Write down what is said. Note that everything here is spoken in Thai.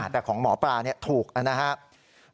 แต่ของหมอปลาถูกนะครับ